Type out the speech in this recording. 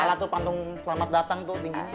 ala tuh pantung selamat datang tuh tinggi